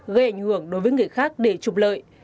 gây ảnh hưởng đối với người khác để trục lợi